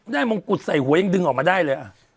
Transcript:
มงกุฎใส่หัวยังดึงออกมาได้เลย